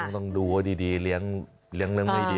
ต้องดูดีเลี้ยงเลี้ยงเรื่องใหม่ดี